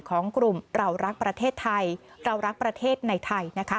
ของกลุ่มเรารักประเทศไทยเรารักประเทศในไทยนะคะ